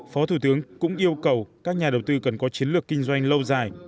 phó thủ tướng cũng yêu cầu các nhà đầu tư cần có chiến lược kinh doanh lâu dài